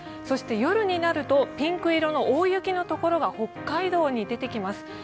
そして夜になるとピンク色の大雪の所が北海道に出てきます。